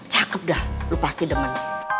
cakep dah lu pasti demen